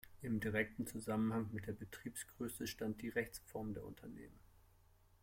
In direktem Zusammenhang mit der Betriebsgröße stand die Rechtsform der Unternehmen.